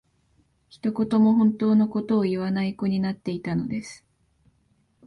一言も本当の事を言わない子になっていたのです